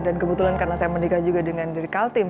dan kebetulan karena saya menikah juga dengan dari kaltim